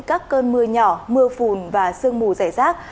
các cơn mưa nhỏ mưa phùn và sương mù rải rác